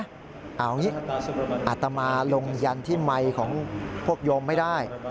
เอาอย่างนี้อาตมาลงยันที่ไมค์ของพวกโยมไม่ได้